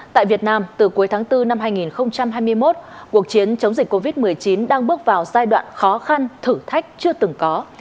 tại việt nam từ cuối tháng bốn năm hai nghìn hai mươi một cuộc chiến chống dịch covid một mươi chín đang bước vào giai đoạn khó khăn thử thách chưa từng có